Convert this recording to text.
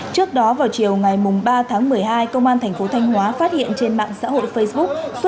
trước đó vào chiều ngày ba tháng một mươi hai công an thành phố thanh hóa phát hiện trên mạng xã hội facebook